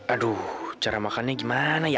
aduh cara makannya gimana ya